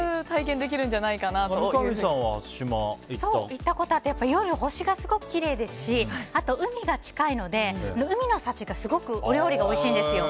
行ったことあって夜、星がすごくきれいですしあと、海が近いので海の幸がすごくお料理がおいしいんですよ。